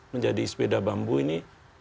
menjadi sepeda bambu ini